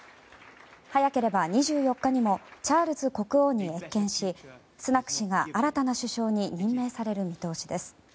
早ければ２４日にもチャールズ国王に謁見しスナク氏が新たな首相に任命される見通しです。